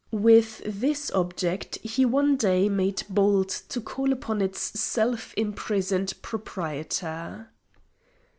With this object he one day made bold to call upon its self imprisoned proprietor.